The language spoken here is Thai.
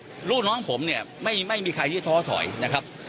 เพราะลูกน้องผมเนี่ยไม่มีใครที่ท้อถอยนะครับ